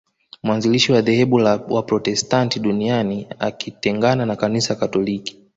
Mwanzilishi wa dhehebu la Waprotestant duniani akitengana na Kanisa katoliki